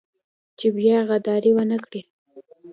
چې بيا غداري ونه کړي.